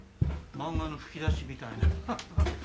漫画の吹き出しみたいなハハッ。